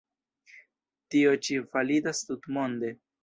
Tio ĉi validas tutmonde.